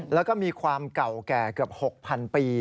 แล้วก็มีความเก่าแก่เกือบ๖๐๐๐ปี